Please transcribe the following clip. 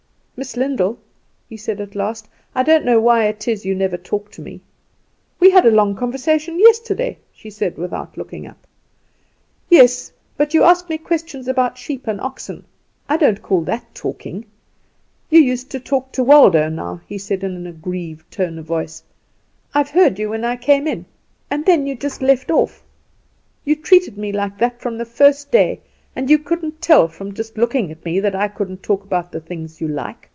"Miss Lyndall," he said at last, "I don't know why it is you never talk to me." "We had a long conversation yesterday," she said without looking up. "Yes; but you ask me questions about sheep and oxen. I don't call that talking. You used to talk to Waldo, now," he said, in an aggrieved tone of voice. "I've heard you when I came in, and then you've just left off. You treated me like that from the first day; and you couldn't tell from just looking at me that I couldn't talk about the things you like.